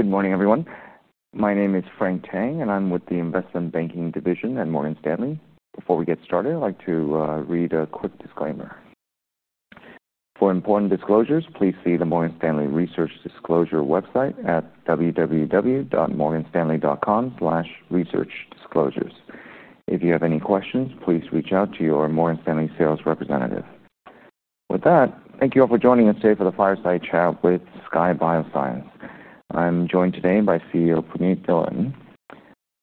Good morning, everyone. My name is Frank Tang, and I'm with the Investment Banking Division at Morgan Stanley. Before we get started, I'd like to read a quick disclaimer. For important disclosures, please see the Morgan Stanley Research Disclosure website at www.morganstanley.com/research-disclosures. If you have any questions, please reach out to your Morgan Stanley sales representative. With that, thank you all for joining us today for the fireside chat with Skye Bioscience. I'm joined today by CEO Puneet Arora.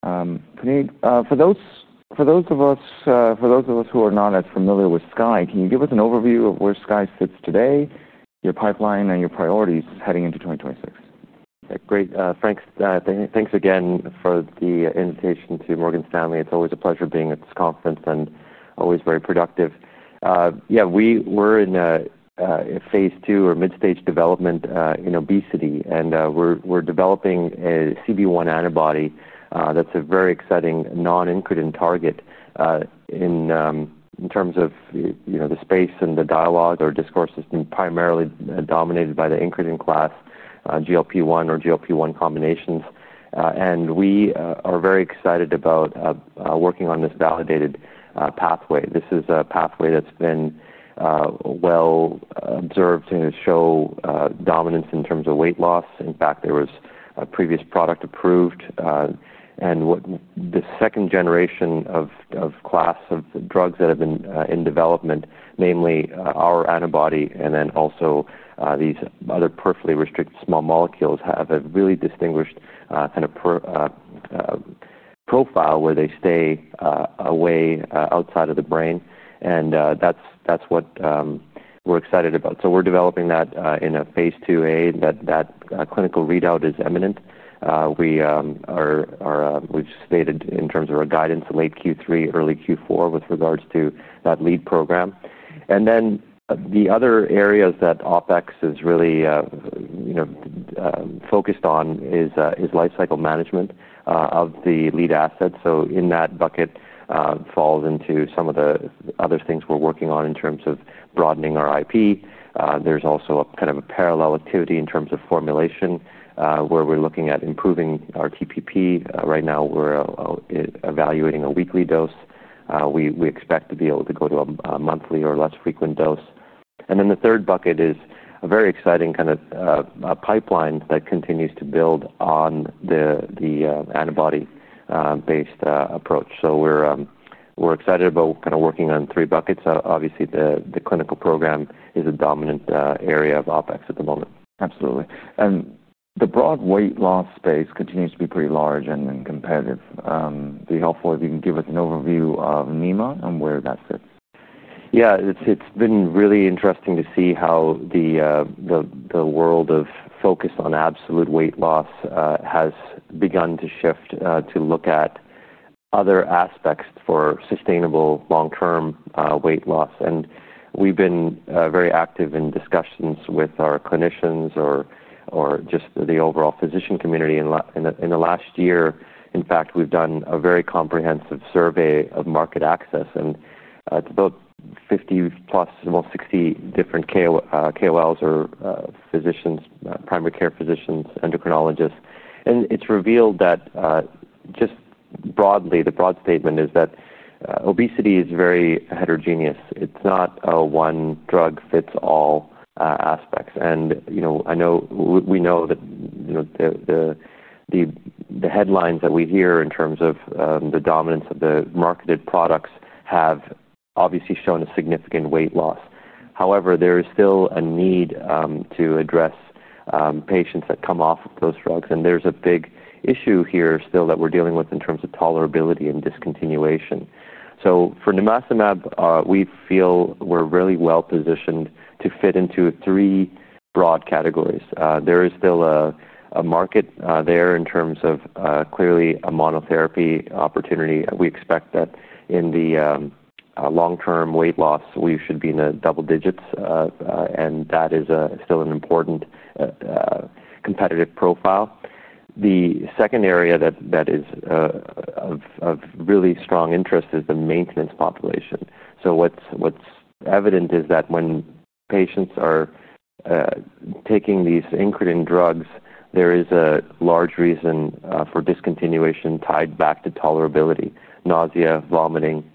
Puneet, for those of us who are not as familiar with Skye, can you give us an overview of where Skye sits today, your pipeline, and your priorities heading into 2026? Yeah, great. Thanks again for the invitation to Morgan Stanley. It's always a pleasure being at this conference and always very productive. We're in a phase 2 or mid-stage development in obesity, and we're developing a CB1 antibody that's a very exciting non-incretin target in terms of the space and the dialogue. Our discourse has been primarily dominated by the incretin class, GLP-1 or GLP-1 combinations. We are very excited about working on this validated pathway. This is a pathway that's been well observed to show dominance in terms of weight loss. In fact, there was a previous product approved. The second generation of class of drugs that have been in development, namely our antibody and then also these other peripherally restricted small molecules, have a really distinguished profile where they stay away outside of the brain. That's what we're excited about. We're developing that in a phase 2a, and that clinical readout is imminent. We've stated in terms of our guidance, late Q3, early Q4, with regards to that lead program. The other areas that OpEx is really focused on is lifecycle management of the lead assets. In that bucket falls into some of the other things we're working on in terms of broadening our IP. There's also kind of a parallel activity in terms of formulation where we're looking at improving our TPP. Right now, we're evaluating a weekly dose. We expect to be able to go to a monthly or less frequent dose. The third bucket is a very exciting kind of pipeline that continues to build on the antibody-based approach. We're excited about working on three buckets. Obviously, the clinical program is a dominant area of OpEx at the moment. Absolutely. The broad weight loss space continues to be pretty large and competitive. It'd be helpful if you can give us an overview of NEMAZENMEB and where that sits. Yeah, it's been really interesting to see how the world of focus on absolute weight loss has begun to shift to look at other aspects for sustainable long-term weight loss. We've been very active in discussions with our clinicians or just the overall physician community in the last year. In fact, we've done a very comprehensive survey of market access, and it's about 50 plus, about 60 different KOLs or physicians, primary care physicians, endocrinologists. It's revealed that just broadly, the broad statement is that obesity is very heterogeneous. It's not a one-drug-fits-all aspect. I know we know that the headlines that we hear in terms of the dominance of the marketed products have obviously shown a significant weight loss. However, there is still a need to address patients that come off of those drugs. There's a big issue here still that we're dealing with in terms of tolerability and discontinuation. For NEMAZENMEB, we feel we're really well positioned to fit into three broad categories. There is still a market there in terms of clearly a monotherapy opportunity. We expect that in the long-term weight loss, we should be in the double digits, and that is still an important competitive profile. The second area that is of really strong interest is the maintenance population. What's evident is that when patients are taking these incretin drugs, there is a large reason for discontinuation tied back to tolerability. Nausea, vomiting,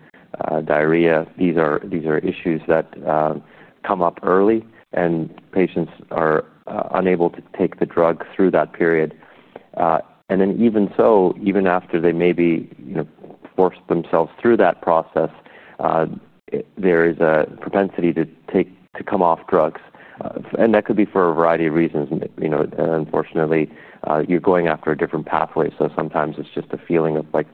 diarrhea, these are issues that come up early, and patients are unable to take the drug through that period. Even so, even after they maybe force themselves through that process, there is a propensity to come off drugs. That could be for a variety of reasons. Unfortunately, you're going after a different pathway. Sometimes it's just a feeling of like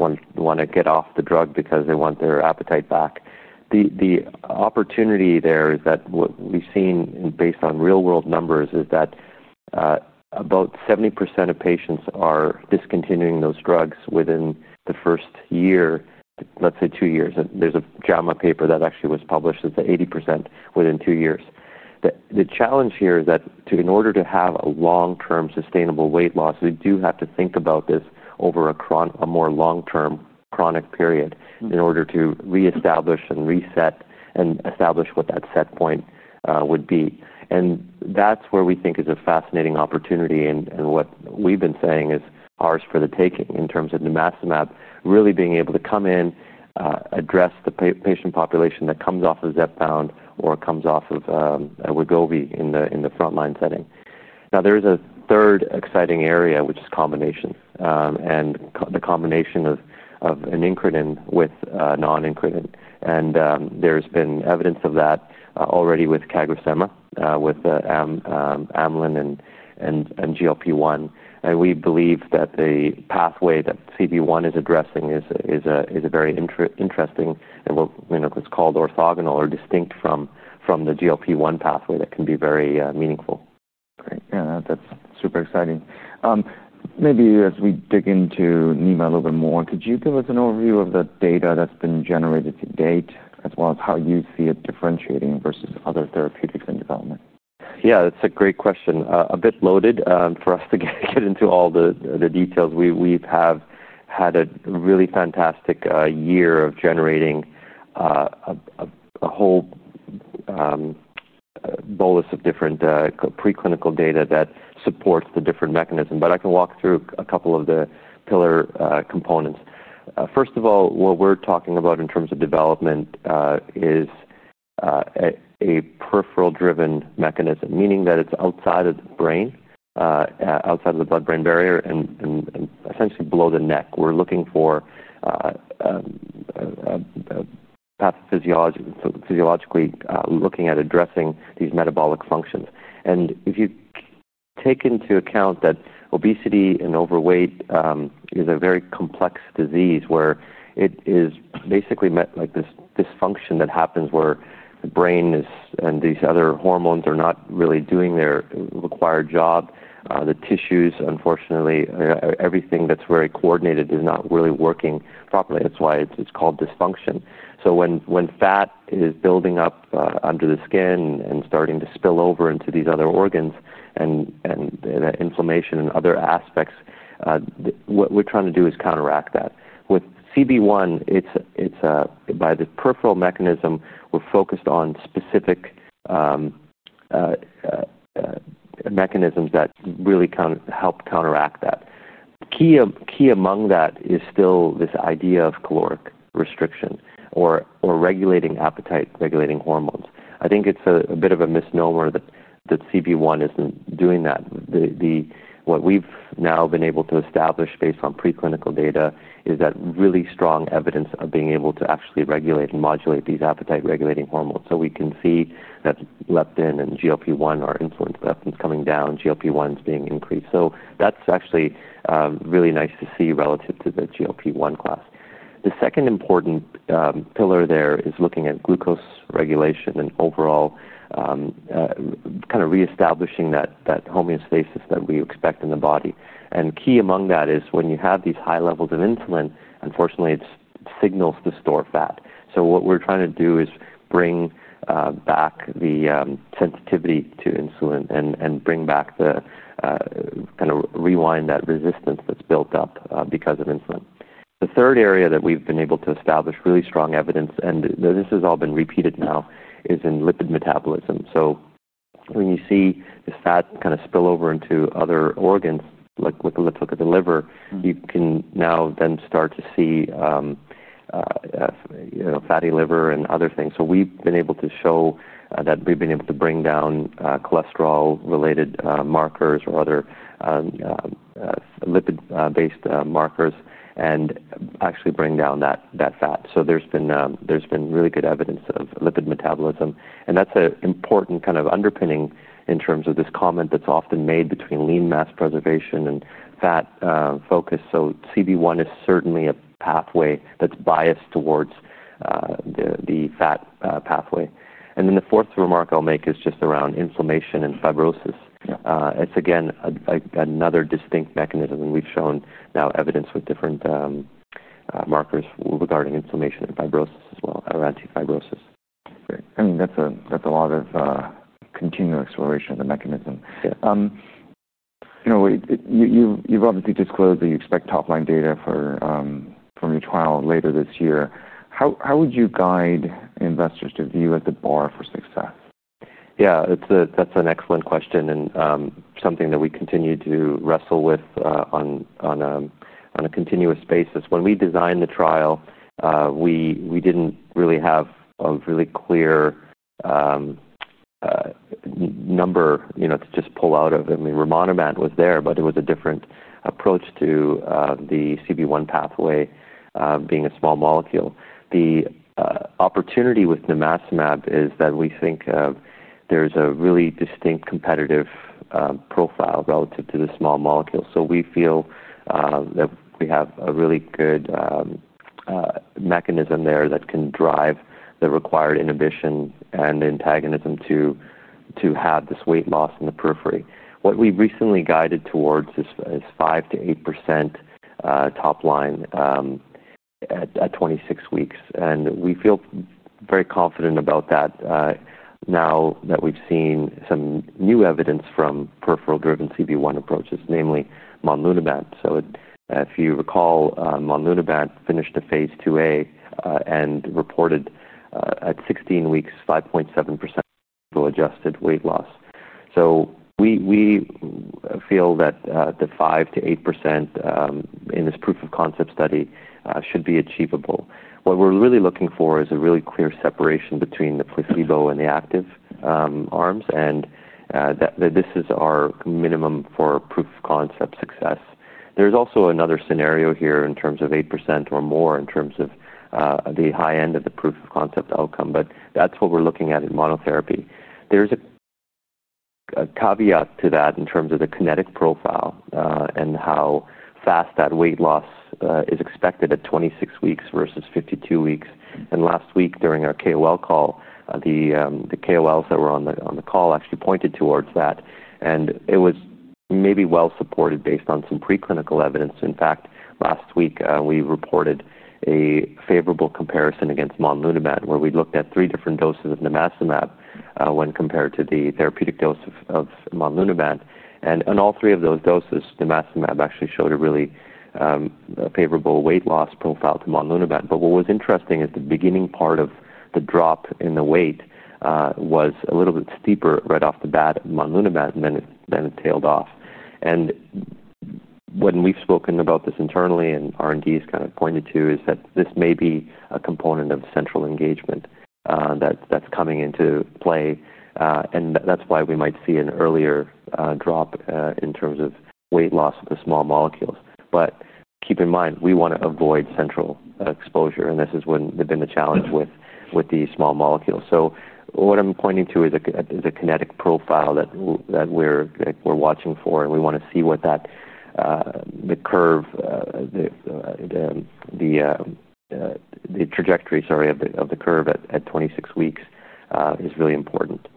wanting to get off the drug because they want their appetite back. The opportunity there is that we've seen based on real-world numbers is that about 70% of patients are discontinuing those drugs within the first year, let's say two years. There's a JAMA paper that actually was published that the 80% within two years. The challenge here is that in order to have a long-term sustainable weight loss, we do have to think about this over a more long-term chronic period in order to reestablish and reset and establish what that set point would be. That's where we think is a fascinating opportunity. What we've been saying is ours for the taking in terms of NEMAZENMEB really being able to come in, address the patient population that comes off of Zepbound or comes off of Wegovy in the frontline setting. There is a third exciting area, which is combination and the combination of an incretin with non-incretin. There's been evidence of that already with Caglizumab, with AMLIN, and GLP-1. We believe that the pathway that CB1 is addressing is very interesting and what's called orthogonal or distinct from the GLP-1 pathway that can be very meaningful. Right. Yeah, that's super exciting. Maybe as we dig into NEMAZENMEB a little bit more, could you give us an overview of the data that's been generated to date, as well as how you see it differentiating versus other therapeutics in development? Yeah, that's a great question. A bit loaded for us to get into all the details. We have had a really fantastic year of generating a whole bolus of different preclinical data that supports the different mechanisms. I can walk through a couple of the pillar components. First of all, what we're talking about in terms of development is a peripheral-driven mechanism, meaning that it's outside of the brain, outside of the blood-brain barrier, and essentially below the neck. We're looking for pathophysiology, physiologically looking at addressing these metabolic functions. If you take into account that obesity and overweight is a very complex disease where it is basically like this dysfunction that happens where the brain and these other hormones are not really doing their required job. The tissues, unfortunately, everything that's very coordinated is not really working properly. That's why it's called dysfunction. When fat is building up under the skin and starting to spill over into these other organs and inflammation and other aspects, what we're trying to do is counteract that. With CB1, by the peripheral mechanism, we're focused on specific mechanisms that really help counteract that. Key among that is still this idea of caloric restriction or regulating appetite, regulating hormones. I think it's a bit of a misnomer that CB1 isn't doing that. What we've now been able to establish based on preclinical data is that really strong evidence of being able to actually regulate and modulate these appetite-regulating hormones. We can see that leptin and GLP-1 are influenced. Leptin's coming down, GLP-1 is being increased. That's actually really nice to see relative to the GLP-1 class. The second important pillar there is looking at glucose regulation and overall kind of reestablishing that homeostasis that we expect in the body. Key among that is when you have these high levels of insulin, unfortunately, it signals to store fat. What we're trying to do is bring back the sensitivity to insulin and bring back the kind of rewind that resistance that's built up because of insulin. The third area that we've been able to establish really strong evidence, and this has all been repeated now, is in lipid metabolism. When you see this fat kind of spill over into other organs, like let's look at the liver, you can now then start to see fatty liver and other things. We've been able to show that we've been able to bring down cholesterol-related markers or other lipid-based markers and actually bring down that fat. There's been really good evidence of lipid metabolism. That's an important kind of underpinning in terms of this comment that's often made between lean mass preservation and fat focus. CB1 is certainly a pathway that's biased towards the fat pathway. The fourth remark I'll make is just around inflammation and fibrosis. It's again another distinct mechanism, and we've shown now evidence with different markers regarding inflammation and fibrosis. I mean, that's a lot of continuous exploration of the mechanism. You've obviously disclosed that you expect top-line data from your trial later this year. How would you guide investors to view as the bar for success? Yeah, that's an excellent question and something that we continue to wrestle with on a continuous basis. When we designed the trial, we didn't really have a really clear number to just pull out of it. I mean, rimonabant was there, but it was a different approach to the CB1 pathway being a small molecule. The opportunity with NEMAZENMEB is that we think there's a really distinct competitive profile relative to the small molecule. We feel that we have a really good mechanism there that can drive the required inhibition and antagonism to have this weight loss in the periphery. What we recently guided towards is 5% to 8% top line at 26 weeks. We feel very confident about that now that we've seen some new evidence from peripheral-driven CB1 approaches, namely MOLNUNIBANT. If you recall, MOLNUNIBANT finished a phase 2a and reported at 16 weeks 5.7% adjusted weight loss. We feel that the 5% to 8% in this proof of concept study should be achievable. What we're really looking for is a really clear separation between the placebo and the active arms, and that this is our minimum for proof of concept success. There's also another scenario here in terms of 8% or more in terms of the high end of the proof of concept outcome, but that's what we're looking at in monotherapy. There's a caveat to that in terms of the kinetic profile and how fast that weight loss is expected at 26 weeks versus 52 weeks. Last week during our KOL call, the KOLs that were on the call actually pointed towards that. It was maybe well supported based on some preclinical evidence. In fact, last week we reported a favorable comparison against MOLNUNIBANT where we looked at three different doses of NEMAZENMEB when compared to the therapeutic dose of MOLNUNIBANT. In all three of those doses, NEMAZENMEB actually showed a really favorable weight loss profile to MOLNUNIBANT. What was interesting is the beginning part of the drop in the weight was a little bit steeper right off the bat with MOLNUNIBANT, and then it tailed off. When we've spoken about this internally and R&D has kind of pointed to is that this may be a component of central engagement that's coming into play. That's why we might see an earlier drop in terms of weight loss with the small molecules. Keep in mind, we want to avoid central exposure, and this has been the challenge with the small molecules. What I'm pointing to is the kinetic profile that we're watching for. We want to see what that curve, the trajectory of the curve at 26 weeks, is really important.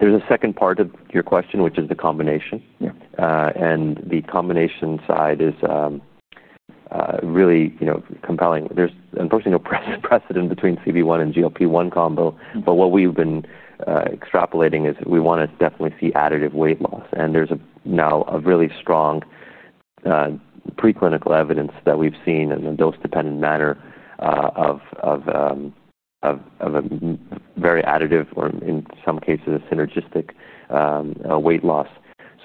The second part of your question is the combination. The combination side is really compelling. There's unfortunately no precedent between CB1 and GLP-1 combo, but what we've been extrapolating is we want to definitely see additive weight loss. There's now really strong preclinical evidence that we've seen in a dose-dependent manner of a very additive or in some cases a synergistic weight loss.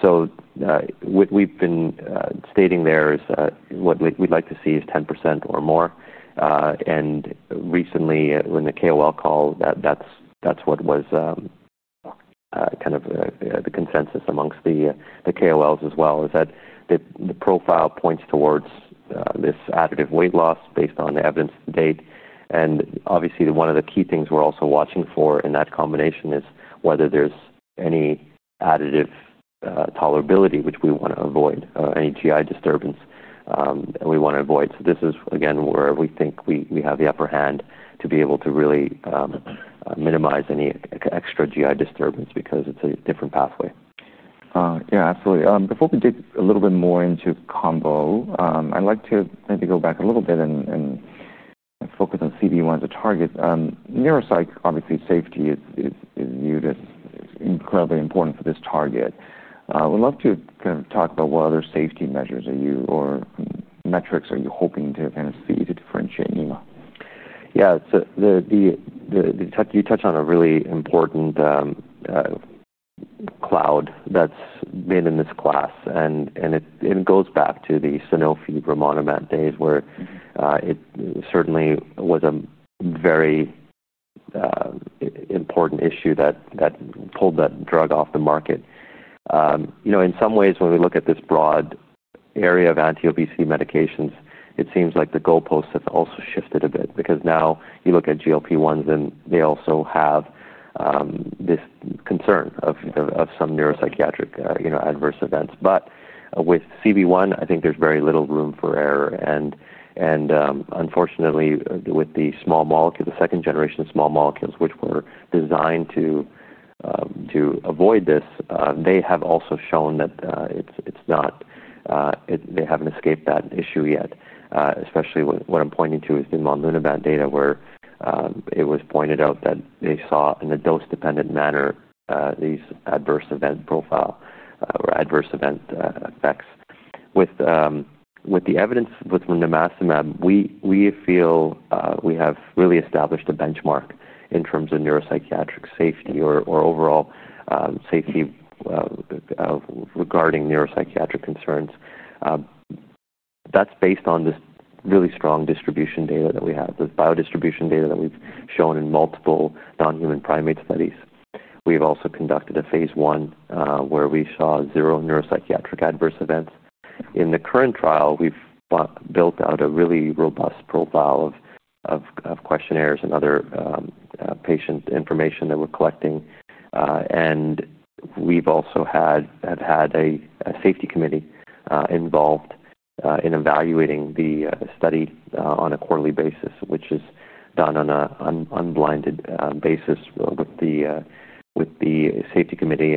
What we've been stating there is what we'd like to see is 10% or more. Recently, when the KOL call happened, that was kind of the consensus amongst the KOLs as well, that the profile points towards this additive weight loss based on the evidence to date. Obviously, one of the key things we're also watching for in that combination is whether there's any additive tolerability, which we want to avoid, or any GI disturbance we want to avoid. This is, again, where we think we have the upper hand to be able to really minimize any extra GI disturbance because it's a different pathway. Yeah, absolutely. Before we dig a little bit more into combo, I'd like to maybe go back a little bit and focus on CB1 as a target. Neuropsych, obviously, safety is viewed as incredibly important for this target. I would love to kind of talk about what other safety measures or metrics are you hoping to kind of see to differentiate NEMAZENMEB? Yeah, you touched on a really important cloud that's been in this class. It goes back to the rimonabant days where it certainly was a very important issue that pulled that drug off the market. In some ways, when we look at this broad area of anti-obesity medications, it seems like the goalposts have also shifted a bit because now you look at GLP-1s and they also have this concern of some neuropsychiatric adverse events. With CB1, I think there's very little room for error. Unfortunately, with the small molecule, the second generation of small molecules, which were designed to avoid this, they have also shown that they haven't escaped that issue yet. Especially what I'm pointing to is the MOLNUNIBANT data where it was pointed out that they saw in a dose-dependent manner these adverse event profile or adverse event effects. With the evidence with NEMAZENMEB, we feel we have really established a benchmark in terms of neuropsychiatric safety or overall safety regarding neuropsychiatric concerns. That's based on this really strong distribution data that we have, the biodistribution data that we've shown in multiple non-human primate studies. We've also conducted a phase one where we saw zero neuropsychiatric adverse events. In the current trial, we've built out a really robust profile of questionnaires and other patient information that we're collecting. We've also had a safety committee involved in evaluating the study on a quarterly basis, which is done on an unblinded basis with the safety committee.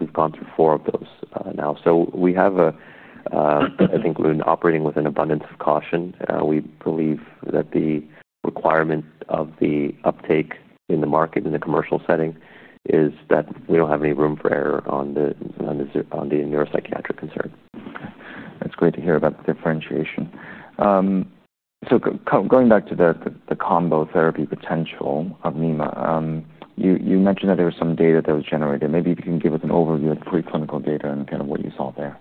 We've gone through four of those now. I think we're operating with an abundance of caution. We believe that the requirement of the uptake in the market in the commercial setting is that we don't have any room for error on the neuropsychiatric concern. That's great to hear about the differentiation. Going back to the combo therapy potential of NEMAZENMEB, you mentioned that there was some data that was generated. Maybe if you can give us an overview of the preclinical data and what you saw there.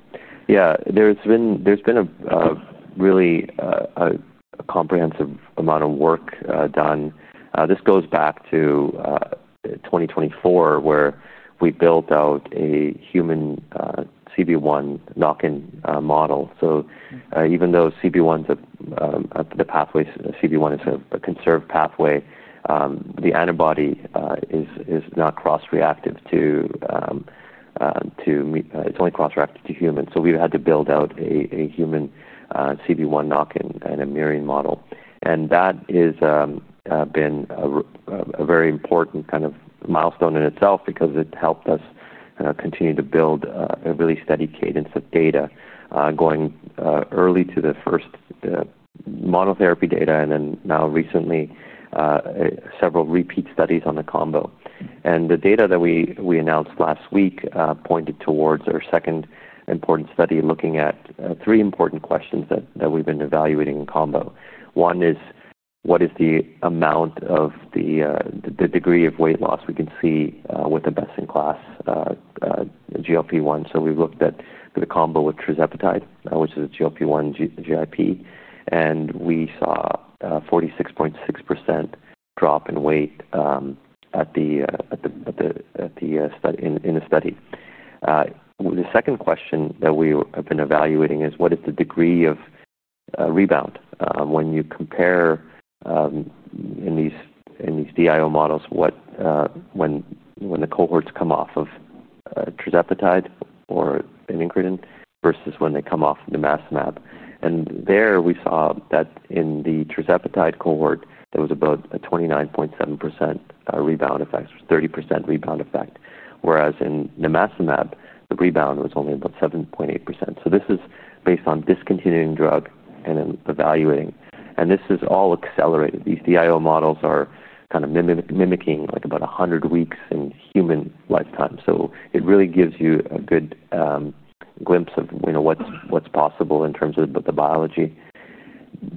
Yeah, there's been a really comprehensive amount of work done. This goes back to 2024 where we built out a human CB1 knock-in model. Even though CB1 is a pathway, CB1 is a conserved pathway, the antibody is not cross-reactive to, it's only cross-reactive to humans. We've had to build out a human CB1 knock-in and a myriad model. That has been a very important kind of milestone in itself because it helped us continue to build a really steady cadence of data, going early to the first monotherapy data and then now recently several repeat studies on the combo. The data that we announced last week pointed towards our second important study looking at three important questions that we've been evaluating in combo. One is what is the amount of the degree of weight loss we can see with the best-in-class GLP-1? We looked at the combo with tirzepatide, which is a GLP-1 GIP, and we saw a 46.6% drop in weight in the study. The second question that we have been evaluating is what is the degree of rebound when you compare in these DIO models when the cohorts come off of tirzepatide or an incretin versus when they come off NEMAZENMEB. There we saw that in the tirzepatide cohort, there was about a 29.7% rebound effect, 30% rebound effect, whereas in NEMAZENMEB, the rebound was only about 7.8%. This is based on discontinuing drug and evaluating. This is all accelerated. These DIO models are kind of mimicking about 100 weeks in human lifetime. It really gives you a good glimpse of what's possible in terms of the biology.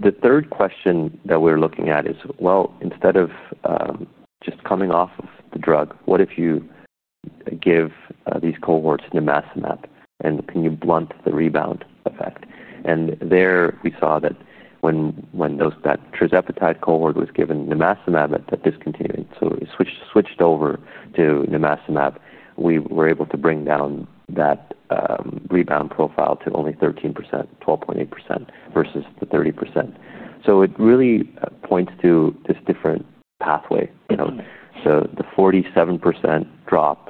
The third question that we're looking at is, instead of just coming off the drug, what if you give these cohorts NEMAZENMEB? Can you blunt the rebound effect? There we saw that when that tirzepatide cohort was given NEMAZENMEB at that discontinuing, so we switched over to NEMAZENMEB, we were able to bring down that rebound profile to only 13%, 12.8% versus the 30%. It really points to this different pathway. The 47% drop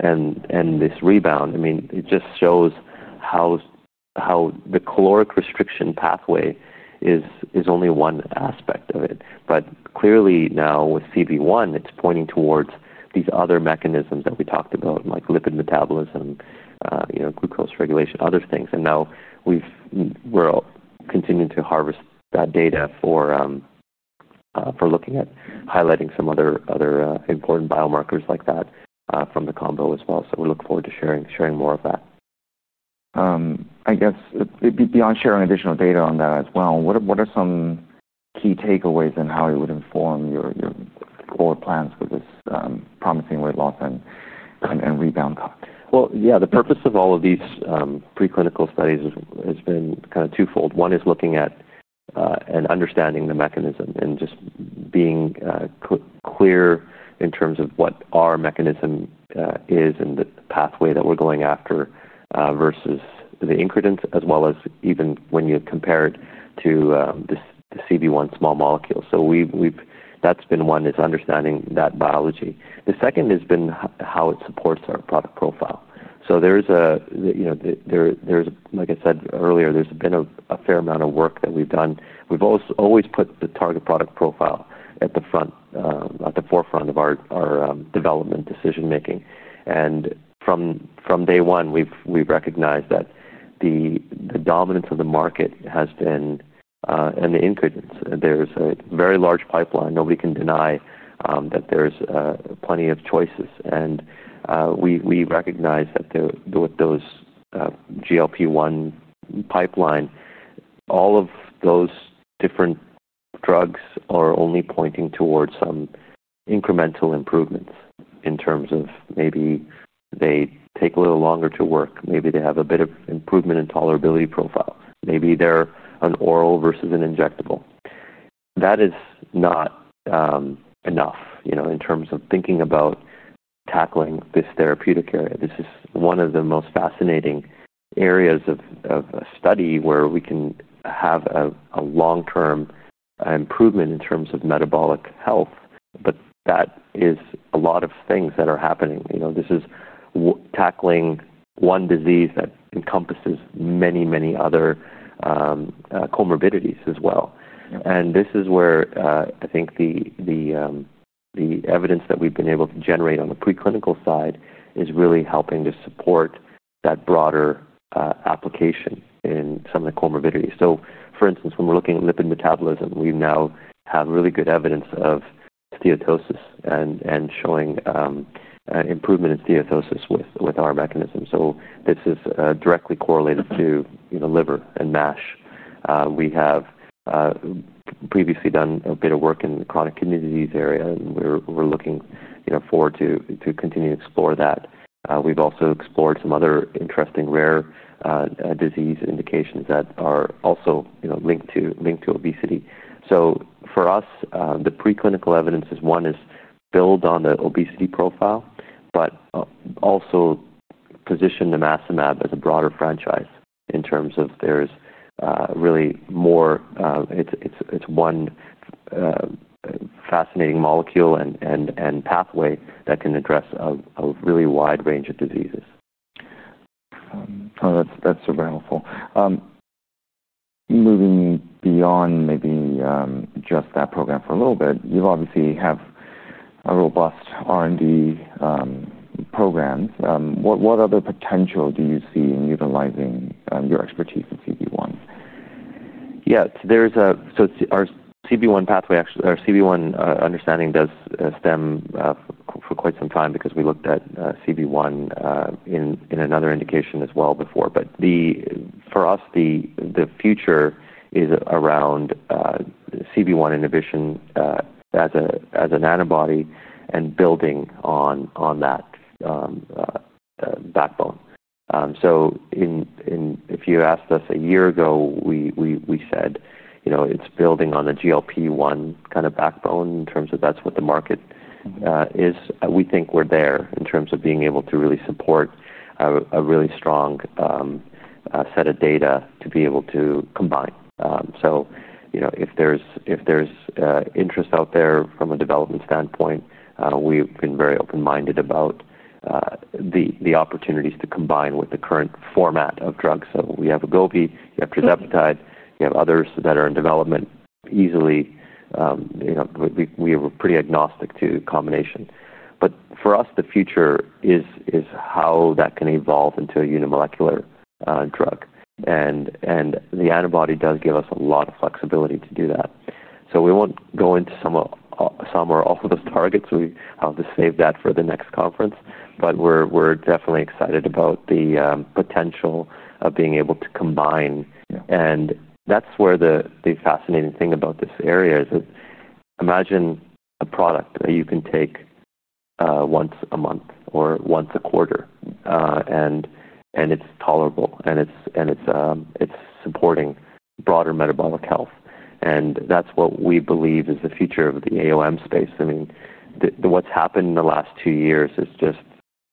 and this rebound, it just shows how the caloric restriction pathway is only one aspect of it. Clearly now with CB1, it's pointing towards these other mechanisms that we talked about, like lipid metabolism, glucose regulation, other things. Now we're continuing to harvest that data for looking at highlighting some other important biomarkers like that from the combo as well. We look forward to sharing more of that. I guess it'd be beyond sharing additional data on that as well. What are some key takeaways in how you would inform your forward plans with this promising weight loss and rebound? The purpose of all of these preclinical studies has been kind of twofold. One is looking at and understanding the mechanism and just being clear in terms of what our mechanism is and the pathway that we're going after versus the incretins, as well as even when you compare it to the CB1 small molecule. That's been one, is understanding that biology. The second has been how it supports our product profile. There is a, like I said earlier, there's been a fair amount of work that we've done. We've always put the target product profile at the front, at the forefront of our development decision-making. From day one, we've recognized that the dominance of the market has been in the incretins. There's a very large pipeline. Nobody can deny that there's plenty of choices. We recognize that with those GLP-1 pipeline, all of those different drugs are only pointing towards some incremental improvements in terms of maybe they take a little longer to work. Maybe they have a bit of improvement in tolerability profile. Maybe they're an oral versus an injectable. That is not enough in terms of thinking about tackling this therapeutic area. This is one of the most fascinating areas of a study where we can have a long-term improvement in terms of metabolic health. That is a lot of things that are happening. You know, this is tackling one disease that encompasses many, many other comorbidities as well. This is where I think the evidence that we've been able to generate on the preclinical side is really helping to support that broader application in some of the comorbidities. For instance, when we're looking at lipid metabolism, we now have really good evidence of steatosis and showing improvement in steatosis with our mechanism. This is directly correlated to liver and NASH. We have previously done a bit of work in the chronic kidney disease area, and we're looking forward to continuing to explore that. We've also explored some other interesting rare disease indications that are also linked to obesity. For us, the preclinical evidence is one is build on the obesity profile, but also position NEMAZENMEB as a broader franchise in terms of there's really more. It's one fascinating molecule and pathway that can address a really wide range of diseases. That's very helpful. Moving beyond maybe just that program for a little bit, you obviously have a robust R&D program. What other potential do you see in utilizing your expertise in CB1? Yeah, so our CB1 pathway actually, our CB1 understanding does stem for quite some time because we looked at CB1 in another indication as well before. For us, the future is around CB1 inhibition as an antibody and building on that backbone. If you asked us a year ago, we said, you know, it's building on a GLP-1 kind of backbone in terms of that's what the market is. We think we're there in terms of being able to really support a really strong set of data to be able to combine. If there's interest out there from a development standpoint, we've been very open-minded about the opportunities to combine with the current format of drugs. We have semaglutide, we have tirzepatide, we have others that are in development easily. We are pretty agnostic to combination. For us, the future is how that can evolve into a unimolecular drug. The antibody does give us a lot of flexibility to do that. We won't go into some or all of those targets. I'll just save that for the next conference. We're definitely excited about the potential of being able to combine. That's where the fascinating thing about this area is that imagine a product that you can take once a month or once a quarter, and it's tolerable, and it's supporting broader metabolic health. That's what we believe is the future of the AOM space. I mean, what's happened in the last two years is just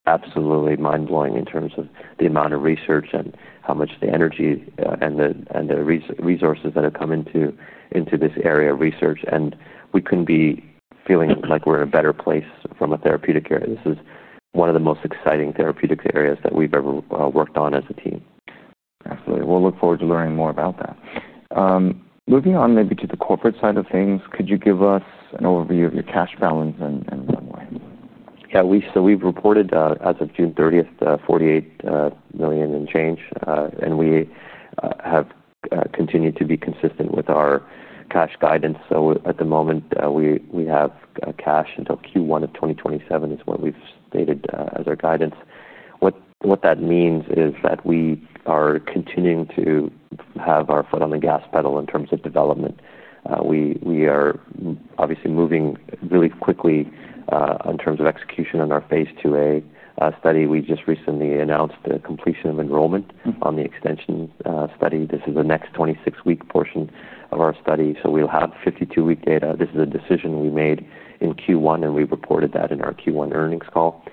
absolutely mind-blowing in terms of the amount of research and how much the energy and the resources that have come into this area of research. We couldn't be feeling like we're in a better place from a therapeutic area. This is one of the most exciting therapeutic areas that we've ever worked on as a team. Absolutely. We'll look forward to learning more about that. Moving on to the corporate side of things, could you give us an overview of your cash balance in some way? Yeah, so we've reported as of June 30th, $48 million and change. We have continued to be consistent with our cash guidance. At the moment, we have cash until Q1 of 2027 is what we've stated as our guidance. What that means is that we are continuing to have our foot on the gas pedal in terms of development. We are obviously moving really quickly in terms of execution on our phase 2a study. We just recently announced the completion of enrollment on the extension study. This is the next 26-week portion of our study. We'll have 52-week data. This is a decision we made in Q1, and we reported that in our Q1 earnings call.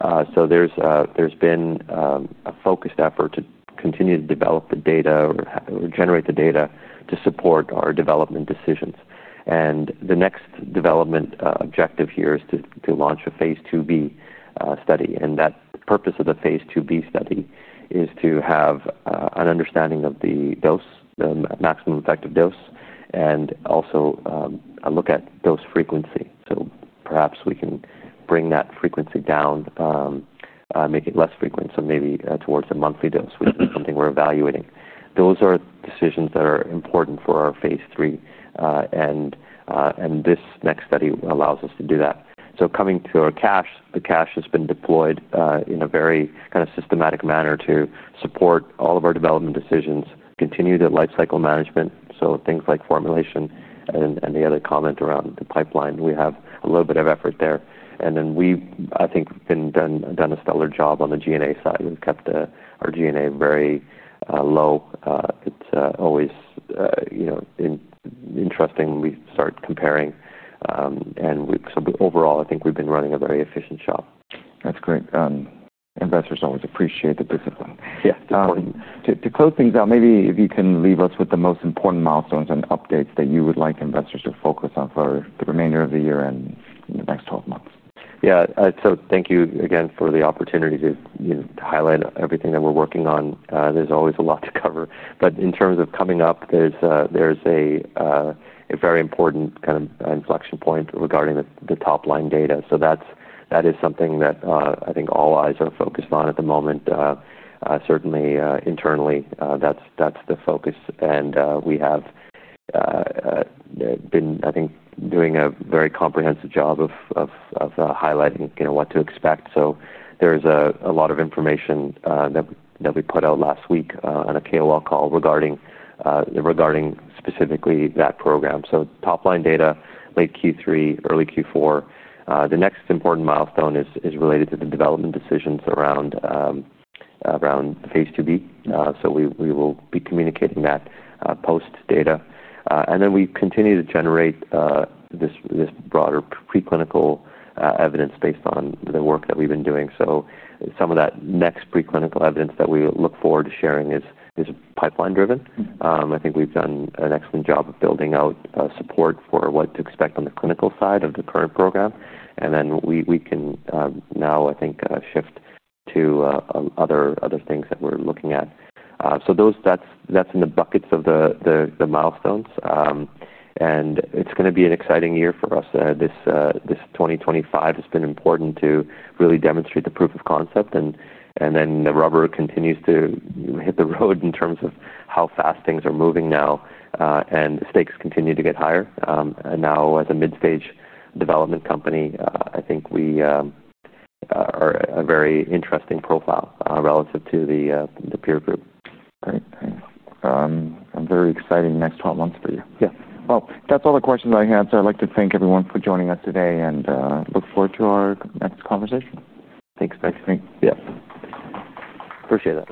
There has been a focused effort to continue to develop the data or generate the data to support our development decisions. The next development objective here is to launch a phase 2b study. The purpose of the phase 2b study is to have an understanding of the dose, the maximum effective dose, and also look at dose frequency. Perhaps we can bring that frequency down, make it less frequent, so maybe towards a monthly dose is something we're evaluating. Those are decisions that are important for our phase 3, and this next study allows us to do that. Coming to our cash, the cash has been deployed in a very kind of systematic manner to support all of our development decisions, continue the lifecycle management. Things like formulation and the other comment around the pipeline, we have a little bit of effort there. I think we have done a stellar job on the G&A side. We've kept our G&A very low. It's always interesting when we start comparing. Overall, I think we've been running a very efficient shop. That's great. Investors always appreciate the discipline. Yeah, definitely. To close things out, maybe if you can leave us with the most important milestones and updates that you would like investors to focus on for the remainder of the year and the next 12 months. Thank you again for the opportunity to highlight everything that we're working on. There's always a lot to cover. In terms of coming up, there's a very important kind of inflection point regarding the top line data. That is something that I think all eyes are focused on at the moment. Certainly, internally, that's the focus. We have been, I think, doing a very comprehensive job of highlighting what to expect. There's a lot of information that we put out last week on a KOL call regarding specifically that program. Top line data, late Q3, early Q4. The next important milestone is related to the development decisions around phase 2b. We will be communicating that post-data. We continue to generate this broader preclinical evidence based on the work that we've been doing. Some of that next preclinical evidence that we look forward to sharing is pipeline-driven. I think we've done an excellent job of building out support for what to expect on the clinical side of the current program. We can now, I think, shift to other things that we're looking at. That's in the buckets of the milestones. It's going to be an exciting year for us. This 2025 has been important to really demonstrate the proof of concept. The rubber continues to hit the road in terms of how fast things are moving now. The stakes continue to get higher. Now, as a mid-stage development company, I think we are a very interesting profile relative to the peer group. Right, right. Very exciting next 12 months for you. That's all the questions I have. I'd like to thank everyone for joining us today and look forward to our next conversation. Thanks, Frank. Yeah, appreciate it.